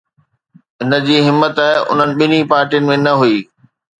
هن جي همت انهن پارٽين ۾ نه هئي.